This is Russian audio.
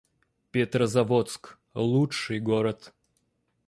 Петрозаводск — лучший город